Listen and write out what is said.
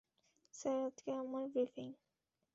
Sir, আজকে আমার briefing.